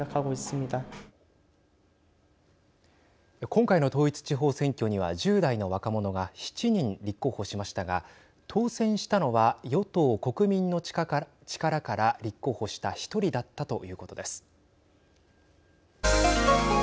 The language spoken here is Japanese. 今回の統一地方選挙には１０代の若者が７人立候補しましたが当選したのは与党・国民の力から立候補した１人だったということです。